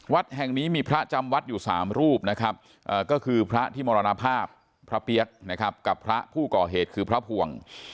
วัดแห่งนี้มีพระจำวัดอยู่๓รูปนะครับก็คือพระที่มรณภาพพระเปี๊ยกนะครับกับพระผู้ก่อเหตุคือพระภวง